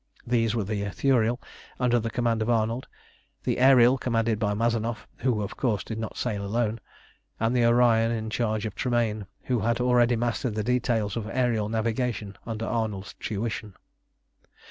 These were the Ithuriel, under the command of Arnold; the Ariel, commanded by Mazanoff, who, of course, did not sail alone; and the Orion, in charge of Tremayne, who had already mastered the details of aërial navigation under Arnold's tuition.